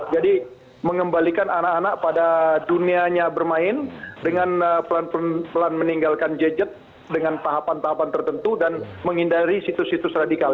jadi mengembalikan anak anak pada dunianya bermain dengan pelan pelan meninggalkan jejak dengan tahapan tahapan tertentu dan menghindari situs situs radikal